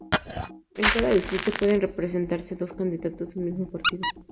En cada distrito pueden presentarse dos candidatos de un mismo partido.